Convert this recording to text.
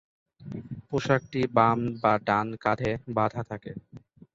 পোশাকটি বাম বা ডান কাঁধে বাঁধা থাকে।